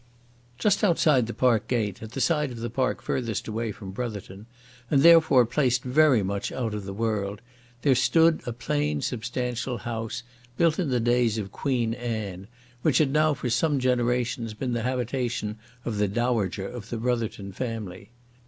Just outside the park gate, at the side of the park furthest away from Brotherton, and therefore placed very much out of the world, there stood a plain substantial house built in the days of Queen Anne, which had now for some generations been the habitation of the dowager of the Brotherton family.